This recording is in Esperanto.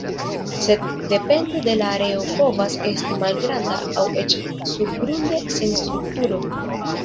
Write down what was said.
Sed depende de la areo povas esti malgranda aŭ eĉ surgrunde sen strukturo.